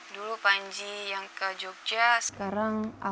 dulu panji yang ke jogja sekarang alma yang ke jogja